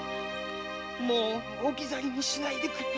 もう置き去りにしないでくれ。